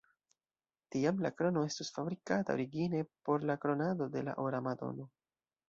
Tiam la krono estus fabrikata origine por la kronado de la Ora Madono.